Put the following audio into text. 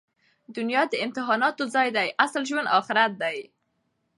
دونیا د امتحاناتو ځای دئ. اصلي ژوند آخرت دئ.